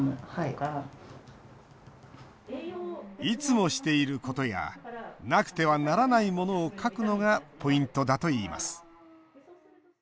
いつもしていることやなくてはならないものを書くのがポイントだといいます。